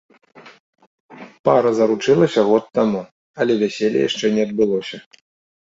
Пара заручылася год таму, але вяселле яшчэ не адбылося.